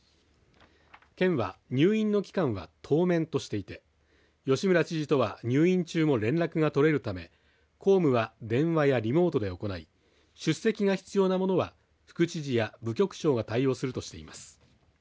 県は入院の期間は当面としていて吉村知事とは入院中も連絡が取れるため公務は電話やリモートで行い出席が必要なものは副知事や部局長が対応するとしています。